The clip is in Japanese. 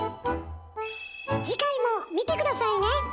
次回も見て下さいね！